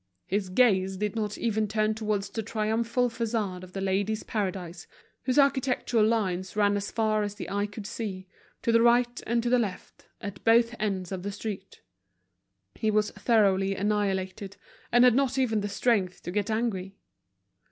His gaze did not even turn towards the triumphal façade of The Ladies' Paradise, whose architectural lines ran as far as the eye could see, to the right and to the left, at both ends of the street. He was thoroughly annihilated, and had not even the strength to get angry.